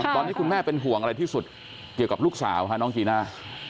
ตอนนี้คุณแม่เป็นห่วงอะไรที่สุดเกี่ยวกับลูกสาวฮะน้องจีน่า